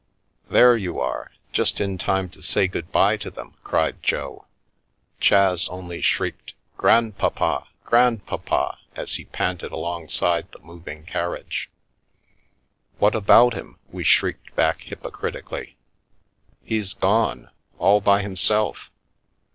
" There you are ! Just in time to say good bye to them," cried Jo. Chas only shrieked " Grandpapa ! Grandpapa !" as he panted alongside the moving car riage. " What about him ?" we shrieked back hypocritically. "He's gone! All by himself!